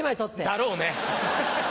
だろうね。